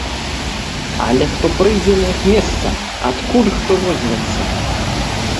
Але хто прыйдзе на іх месца, адкуль хто возьмецца?